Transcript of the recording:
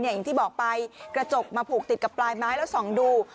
อย่างที่บอกไปกระจกมาผูกติดกับปลายไม้แล้วส่องดู